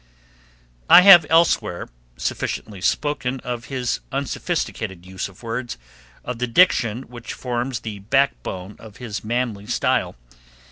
I have elsewhere sufficiently spoken of his unsophisticated use of words, of the diction which forms the backbone of his manly style.